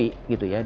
itu yang kita lihat